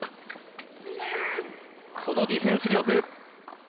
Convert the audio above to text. このディフェンス力。